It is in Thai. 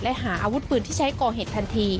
และหาอาวุธปืนที่ใช้ก่อเหตุทันที